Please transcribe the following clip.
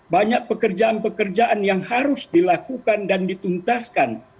banyak pekerjaan pekerjaan yang harus dilakukan dan dituntaskan